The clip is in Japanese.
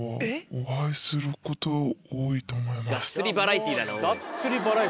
がっつりバラエティーだなおい。